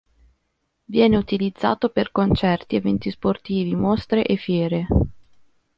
Viene utilizzato per concerti, eventi sportivi, mostre e fiere.